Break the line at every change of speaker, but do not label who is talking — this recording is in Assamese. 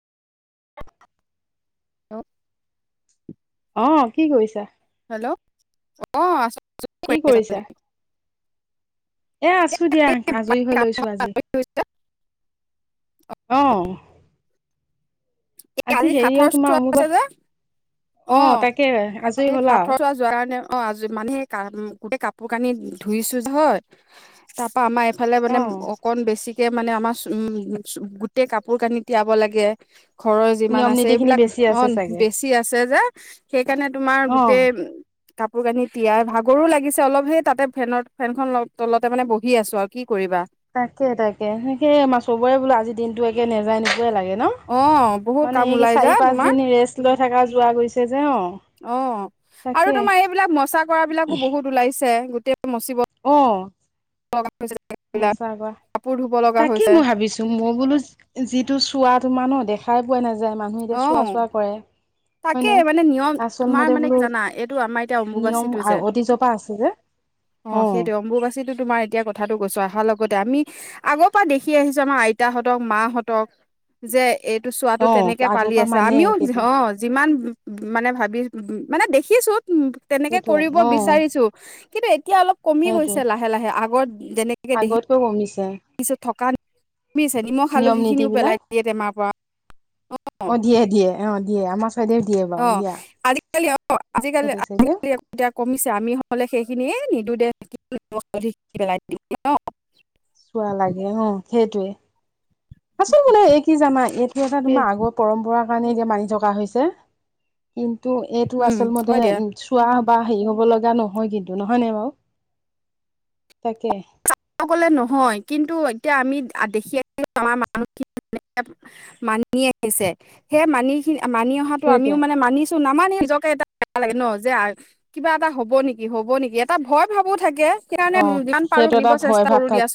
অহ-
অ' কি কৰিছা?
হেল্ল'। অ' আছোঁ।
কি কৰিছা? এ, আছোঁ দিয়া,
এই মানে
আজৰি হৈ
কাম বন
লৈছোঁ আজি।
আজৰি হৈছা?
অ'।
এই আজি
হেৰিয়
সাথৰ
তোমাৰ
চোৱা
অমুবা
আছে যে, অ'
তাকে আজৰি
এই
হলা
সাথৰ চোৱা যোৱাৰ কাৰণে অ' আজি মানে গা গোটেই কাপোৰ কানি ধুইছো যে হয় তাৰপা আমাৰ এইফালে
অ
মানে অকন বেছি কে মানে আমাৰ [unintelligible] গোটেই কাপোৰ কানি তিয়াব লাগে ঘৰৰ যিমান
নিয়ম
আছে
নীতি খিনি
এইবিলাক,
বেছি আছে
অ'
চাগে
বেছি আছে যে সেইকাৰণে তোমাৰ
অ
গোটেই কাপোৰ কানি তিয়াই, ভাগৰো লাগিছে অলপ সেই তাতে ফেনৰ ফেনখন তলতে মানে বহি আছোঁ আৰু কি কৰিবা।
তাকে তাকে সেই আমাৰ চবৰে বোলো আজি দিনটো একে নেযায় নিযোৱাই লাগে ন'?
অ বহুত
মানে
কাম
একে
ওলাই যা
চাৰি পাঁচ
তোমাৰ
দিন ৰেষ্ট লৈ থাকা যোৱা গৈছে যে অ'।
অ' আৰু
তাকে
তোমাৰ এইবিলাক মচা কৰাবিলাকো বহুত ওলাইছে, গোটেইবোৰ মচিব
অ
লগা হৈছে। বিলাক
মচা [unintelligible]
কাপোৰ ধুব লগা
তাকে
হৈছে
মই ভাবিছোঁ মই বোলো যিটো চোৱা তোমাৰ ন' দে খাই পোৱা নাযায়, মানুহে এতিয়া চোৱা
অ'
চোৱা কৰে।
তাকে
হয়নে
মানে নিয়ম,
আচল
তোমাৰ
মতে
মানে
বোলো
জানা এইটো আমাৰ এতিয়া
নিয়ম
অম্বুবাচীটো যে
অতীজৰ পৰা আছে যে
অ' সেইটোৱে অম্বুবাচীটো তোমাৰ এতিয়া কথাটো কৈছোঁ আহাৰ লগতে আমি আগৰ পৰা দেখি আহিছোঁ আমাৰ আইতাহতক, মাহতক যে এ টো চোৱাটো
অ
তেনেকে
আগৰ
পালি
পৰা
আছে
মানে
আমিও যে,
সেইটো
অ'। যিমান উ, মানে ভাবি উ, উ, মানে দেখিছোঁ উ, তেনেকে
সেইটোৱে
কৰিব
অ
বিচাৰিছোঁ কিন্তু এতিয়া অলপ কমি গৈছে
সেইটোৱে
লাহে লাহে, আগত যেনেকে দেখি
আগতকৈ কমিছে
পিছত থকামি [unintelligible] নিমখ,
নিয়ম নীতি
হালধিখিনিও
বিলাক
পেলাই দিয়ে টেমাৰ পৰা। অ', অ', অ'।
এও দিয়ে আমাৰ ভেদে দিয়ে। বাৰু
অ'
দিয়া
আজিকালি অ' আজিকালি
সেইটো
[unintelligible]
চাইডে
এতিয়া কমিছে, আমি হ'লে সেইখিনিয়ে এই নিদিওঁ দে [unintelligible]
চোৱা লাগে অ' সেইটোৱে। আচোন মানে এই কি জানা এইটো এটা তোমাৰ আগৰ পৰম্পৰাৰ কাৰণে এতিয়া মানি থকা হৈছে কিন্তু এইটো
উম,
আচল মতে
হয় দিয়া
ইন চোৱা বা হেৰি হ'ব লগা নহয় কিন্তু নহয় নে বাৰু? তাকে।
ক'লে নহয় কিন্তু এতিয়া আমি আ, দেখি [unintelligible] আমাৰ মানুহ [unintelligible] মানি আহিছে, সেই মানিখিনি মানি অহাটো
সেইটোৱে
আমিও মানে মানিছ ছোঁ, নামানি নিজকে এটা বেয়া লাগে ন' যে কিবা এটা হ'ব নেকি, হ'ব নেকি এটা ভয় ভাবো থাকে, সেইকাৰণে
অ
যিমান পাৰোঁ
সেইটো এটা
আনিব
ভয় ভাৱ থাকে
কৰি আছ